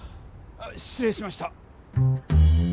しつ礼しました！